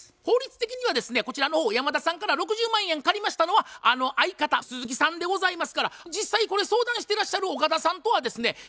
法律的にはですねこちらの山田さんから６０万円借りましたのは相方鈴木さんでございますから実際これ相談してらっしゃる岡田さんとはですね